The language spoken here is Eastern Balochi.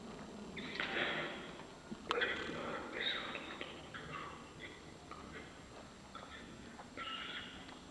پرے کارءِ بہ زاں وردن ءُوَرَاک ءِ مُچّ کنگ ءَ منا وہد ءِ جند نہ رسیتگ